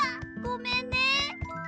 ごめんね。